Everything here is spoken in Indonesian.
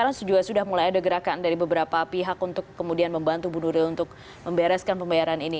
artinya kemudian sekarang sudah mulai ada gerakan dari beberapa pihak untuk kemudian membantu ibu nuril untuk membereskan pembayaran ini